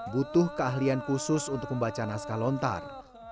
butuh keahlian khusus untuk membaca naskah lontar